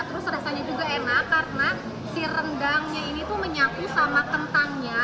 terus rasanya juga enak karena si rendangnya ini tuh menyaku sama kentangnya